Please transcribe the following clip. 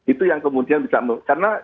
itu yang kemudian bisa karena